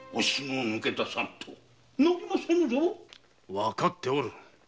わかっておる！